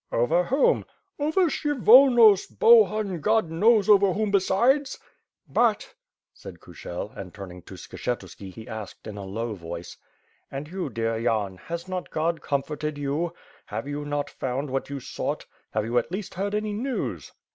"Over whom?" "Over Kshyvonos, Bohun, God knows over whom besides." "But, ..." said Kushel, and, turning to Skshetuski, he asked in a low voice: "And you, dear Yan, has not Grod com forted you? Have you not found what you sought? Have you at least heard any news?"